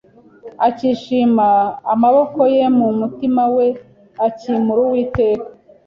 akishima amaboko ye, mu mutima we akimura Uwiteka."